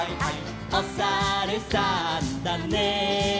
「おさるさんだね」